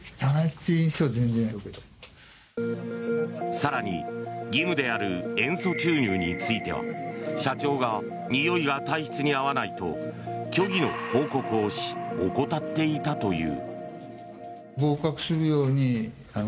更に義務である塩素注入については社長がにおいが体質に合わないと虚偽の報告をし怠っていたという。